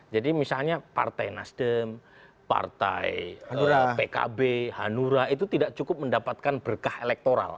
jadi misalnya partai nasdem partai pkb hanura itu tidak cukup mendapatkan berkah elektoral